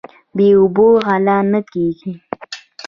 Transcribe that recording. بې اوبو غله نه کیږي.